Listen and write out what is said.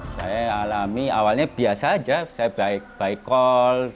saya alami awalnya biasa aja saya baik baik call